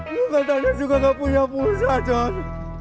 lu katanya juga gak punya pulsa john